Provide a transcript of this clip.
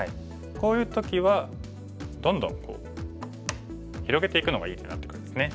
こういう時はどんどん広げていくのがいい手になってくるんですね。